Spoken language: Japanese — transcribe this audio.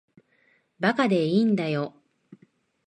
馬鹿でいいんだよ。